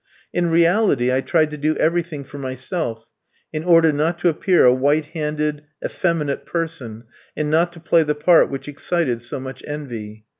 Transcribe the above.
In reality I tried to do everything for myself, in order not to appear a white handed, effeminate person, and not to play the part which excited so much envy.